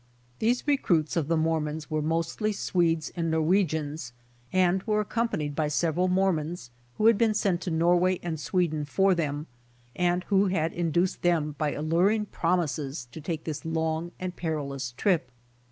These recruits of the Mormons were mostly Swedes and Norwegians and were accompanied by several Mormons who had been sent to NorAvay and Sweden for them and who had induced them by allur ing promises to take this long and perilous trip.